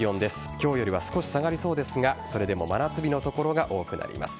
今日よりは少し下がりそうですがそれでも真夏日の所が多くなります。